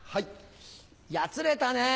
やつれたね。